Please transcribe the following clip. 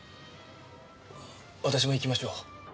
私も行きましょう。